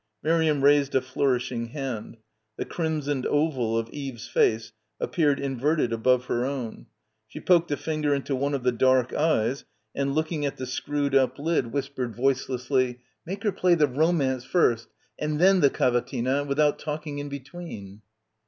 Miriam raised a flourishing hand. The crim soned oval of Eve's face appeared inverted above her own. She poked a finger into one of the dark eyes and looking at the screwed up lid whispered voicelessly, "Make her play the Romance first and then the Cavatina without talking in be tween.